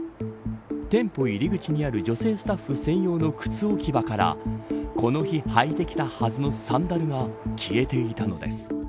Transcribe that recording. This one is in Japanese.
店舗入り口にある女性スタッフ専用の靴置き場からこの日履いてきたはずのサンダルが消えていたのです。